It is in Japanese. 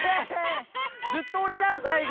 ずっとおれじゃんさいご！